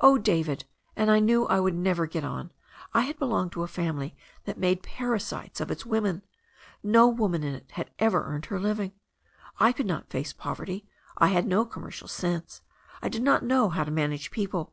Oh, David, and I knew I would never get on — I had belonged to a family that made para sites of its women. No woman in it had ever earned her living. I could not face poverty. I had no commercial sense. I did not know how to manage people.